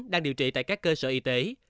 đang điều trị tại các cơ sở y tế